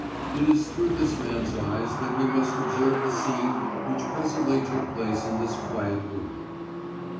It is through this man's eyes that we must observe the scene which presently took place in this quiet room.